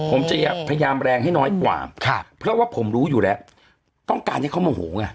ผมจะพยายามแรงให้น้อยกว่าเพราะว่าผมรู้อยู่แล้วต้องการให้เขาโมโหไง